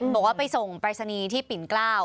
บอกว่าไปส่งปรายศาลีที่ปิ่นกราว